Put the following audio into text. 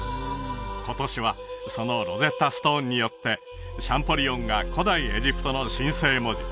今年はそのロゼッタ・ストーンによってシャンポリオンが古代エジプトの神聖文字